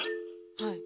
はい。